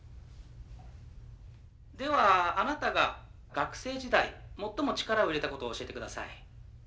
「ではあなたが学生時代最も力を入れたことを教えてください」。